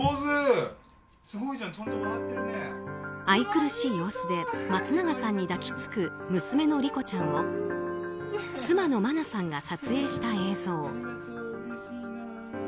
愛くるしい笑顔で松永さんに抱き付く娘の莉子ちゃんを妻の真菜さんが撮影した映像。